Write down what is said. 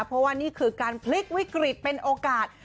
เพราะว่านี่คือการพลิกวิกฤตเป็นโอกาส